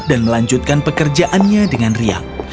dan melanjutkan pekerjaannya dengan riang